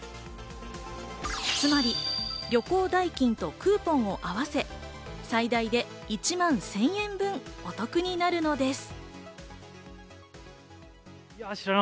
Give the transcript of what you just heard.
つまり旅行代金とクーポンを合わせ、最大で１万１０００円分、お得になるのです。